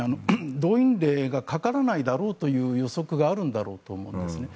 動員令がかからないだろうという予測があるんだろうと思うんですね。